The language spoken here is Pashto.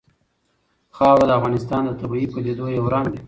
خاوره د افغانستان د طبیعي پدیدو یو رنګ دی.